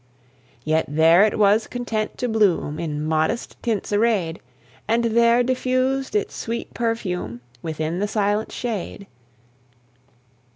Yet there it was content to bloom, In modest tints arrayed; And there diffused its sweet perfume, Within the silent shade.